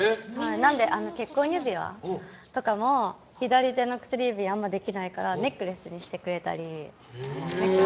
なので、結婚指輪とかも左手の薬指とかできないのでネックレスにしてくれたり。